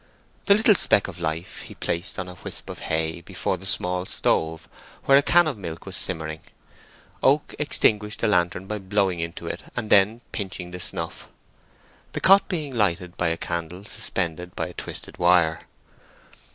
The little speck of life he placed on a wisp of hay before the small stove, where a can of milk was simmering. Oak extinguished the lantern by blowing into it and then pinching the snuff, the cot being lighted by a candle suspended by a twisted wire.